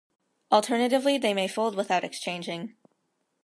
Alternatively they may fold without exchanging.